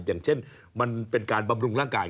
อย่างเช่นมันเป็นการบำรุงร่างกาย